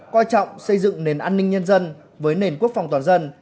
quan trọng xây dựng nền an ninh nhân dân với nền quốc phòng toàn dân